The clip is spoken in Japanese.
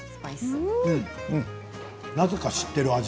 なぜか知っている味。